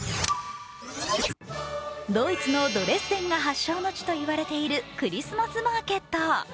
ドイツのドレスデンが発祥地のといわれているクリスマスマーケット。